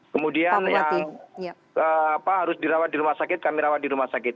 kemudian yang harus dirawat di rumah sakit kami rawat di rumah sakit